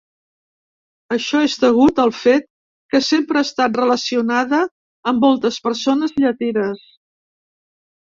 Això és degut al fet que sempre ha estat relacionada amb moltes persones llatines.